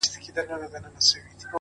د نورو بریا الهام کېدای شي؛